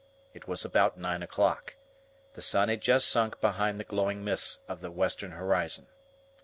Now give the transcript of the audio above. It was about nine o'clock; the sun had just sunk behind the glowing mists of the western horizon.